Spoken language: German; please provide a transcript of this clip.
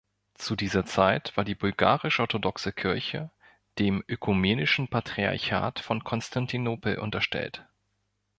Zu dieser Zeit war die Bulgarisch-orthodoxe Kirche dem Ökumenischen Patriarchat von Konstantinopel untergestellt.